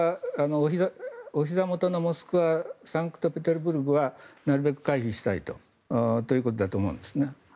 おひざ元のモスクワサンクトペテルブルクはなるべく回避したいということだと思うんですね。